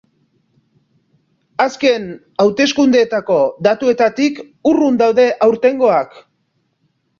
Azken hauteskundeetako datuetatik urrun daude aurtengoak.